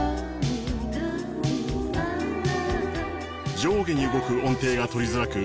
上下に動く音程が取りづらく